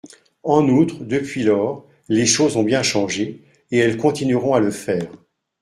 En outre, depuis lors, les choses ont bien changé, et elles continueront à le faire.